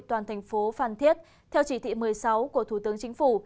toàn thành phố phan thiết theo chỉ thị một mươi sáu của thủ tướng chính phủ